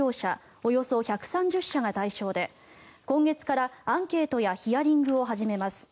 およそ１３０社が対象で今月からアンケートやヒアリングを始めます。